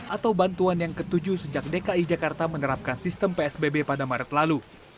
atau bantuan yang ketujuh sejak dki jakarta menerapkan sistem psbb pada maret lalu